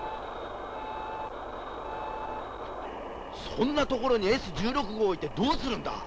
そんな所にＳ１６号を置いてどうするんだ？